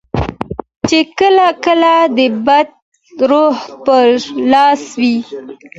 چې کله کله د بد روح پر لاس وي.